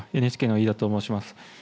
ＮＨＫの飯田と申します。